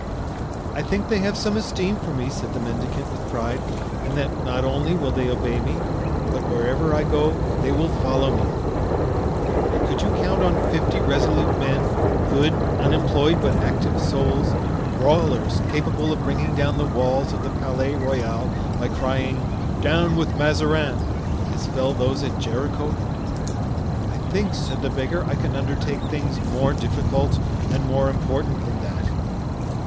"I think they have some esteem for me," said the mendicant with pride, "and that not only will they obey me, but wherever I go they will follow me." "And could you count on fifty resolute men, good, unemployed, but active souls, brawlers, capable of bringing down the walls of the Palais Royal by crying, 'Down with Mazarin,' as fell those at Jericho?" "I think," said the beggar, "I can undertake things more difficult and more important than that."